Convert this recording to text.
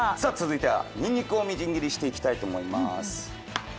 続いてはニンニクをみじん切りにしていきたいと思います。